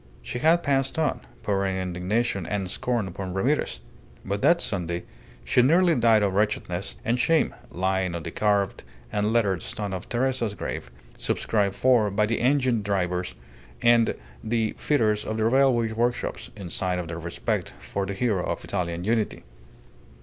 She had passed on, pouring indignation and scorn upon Ramirez; but, that Sunday, she nearly died of wretchedness and shame, lying on the carved and lettered stone of Teresa's grave, subscribed for by the engine drivers and the fitters of the railway workshops, in sign of their respect for the hero of Italian Unity.